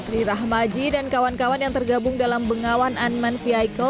rirah maji dan kawan kawan yang tergabung dalam bengawan unmanned vehicle